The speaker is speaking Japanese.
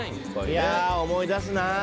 いや思い出すなあ。